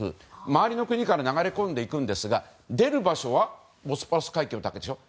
周りの国から流れ込んでいくんですが出る場所はボスポラス海峡だけでしょ。